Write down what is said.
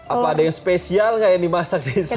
apa ada yang spesial nggak yang dimasak di sana